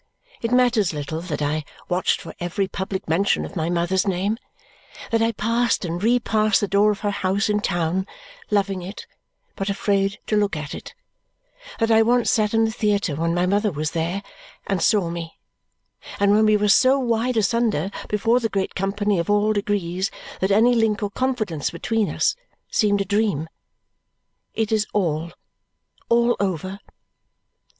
It matters little that I watched for every public mention of my mother's name; that I passed and repassed the door of her house in town, loving it, but afraid to look at it; that I once sat in the theatre when my mother was there and saw me, and when we were so wide asunder before the great company of all degrees that any link or confidence between us seemed a dream. It is all, all over.